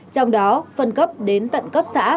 trong đó phân cấp đến tận cấp xã